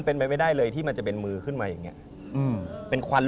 เป็นควันร่วมมือขึ้นมาอย่างนี้เลยนะครับ